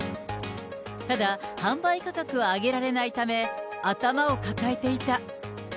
ただ、販売価格は上げられないため、頭を抱えていた。